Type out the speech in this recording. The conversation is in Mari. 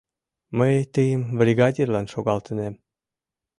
Мый тыйым бригадирлан шогалтынем.